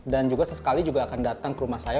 dan juga sesekali akan datang ke rumah saya